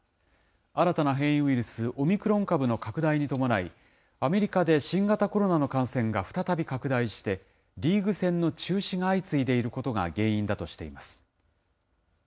新たな変異ウイルス、オミクロン株の拡大に伴い、アメリカで新型コロナの感染が再び拡大して、リーグ戦の中止が相次いでいることが原因だとしています。